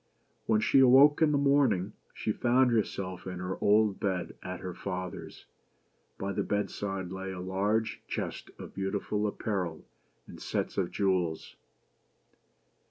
When she awoke in the morning, she found herself in her old bed at her father's. By the bedside lay a large chest of beautiful apparel and sets of jewels.